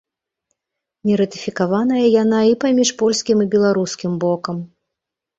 Нератыфікаваная яна і паміж польскім і беларускім бокам.